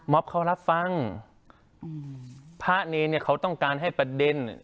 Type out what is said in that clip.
เขารับฟังอืมพระเนรเนี่ยเขาต้องการให้ประเด็น